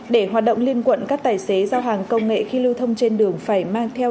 để hoạt động liên quận các tài xế giao hàng công nghệ khi lưu thông trên đường phải mang theo